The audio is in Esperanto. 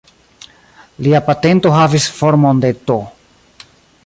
Lia patento havis formon de "T".